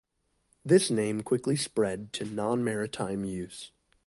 This name quickly spread to non-maritime use.